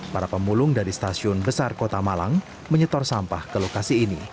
para pemulung dari stasiun besar kota malang menyetor sampah ke lokasi ini